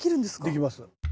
できます。